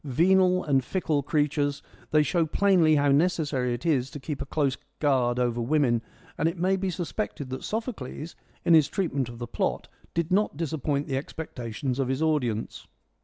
Venal and fickle creatures, they show plainly how necessary it is to keep a close guard over women, and it may be sus pected that Sophocles, in his treatment of the plot, did not disappoint the expectations of his audience.